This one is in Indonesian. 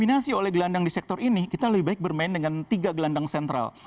dinasi oleh gelandang di sektor ini kita lebih baik bermain dengan tiga gelandang sentral